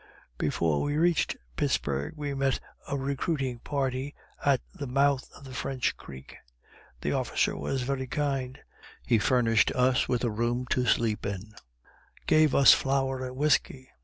Before we reached Pittsburg we met a recruiting party at the mouth of French creek; the officer was very kind he furnished us with a room to sleep in gave us flour and whiskey.